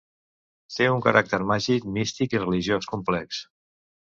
Té un caràcter màgic místic i religiós complex.